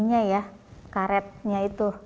ini ya karetnya itu